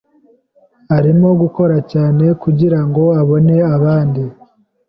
Arimo gukora cyane kugirango abone abandi.